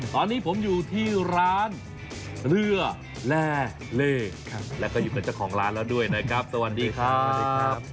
ตอนนี้ผมอยู่ที่ร้านเรือแร่เล่แล้วก็อยู่เป็นเจ้าของร้านแล้วด้วยนะครับสวัสดีครับสวัสดีครับ